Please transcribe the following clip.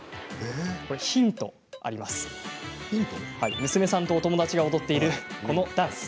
ヒントは、娘さんとお友達が踊っているこのダンス。